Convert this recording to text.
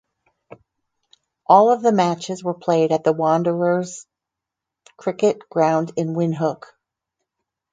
All of the matches were played at the Wanderers Cricket Ground in Windhoek.